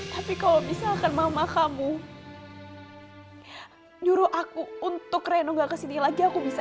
tapi kalau misalkan mama kamu nyuruh aku untuk reno nggak kesini lagi aku bisa